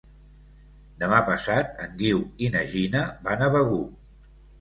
Demà passat en Guiu i na Gina van a Begur.